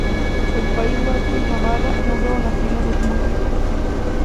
El País Vasco y Navarra no fueron ajenos a este movimiento.